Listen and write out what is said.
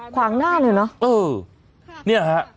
ขวางหน้าเลยเนอะเออเนี่ยฮะ